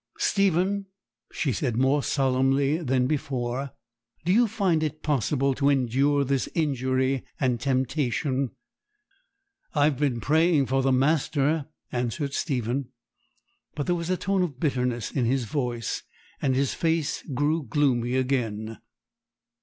'Stephen,' she said, more solemnly than before, 'do you find it possible to endure this injury and temptation?' 'I've been praying for the master,' answered Stephen; but there was a tone of bitterness in his voice, and his face grew gloomy again.